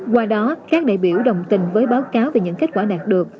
qua đó các đại biểu đồng tình với báo cáo về những kết quả đạt được